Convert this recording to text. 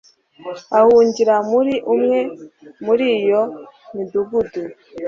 ahungira muri umwe muri iyo midugudu